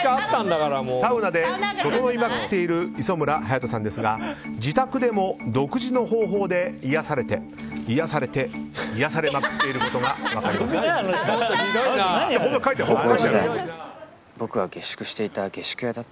サウナでととのいまくっている磯村勇斗さんですが自宅でも独自の方法で癒やされて、癒やされて癒やされまくっていることが分かりました。